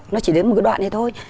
nó chỉ đến một cái đoạn này thôi